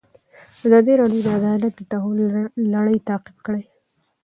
ازادي راډیو د عدالت د تحول لړۍ تعقیب کړې.